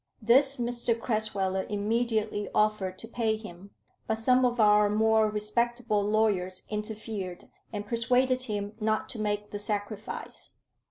This Mr Crasweller immediately offered to pay him; but some of our more respectable lawyers interfered, and persuaded him not to make the sacrifice.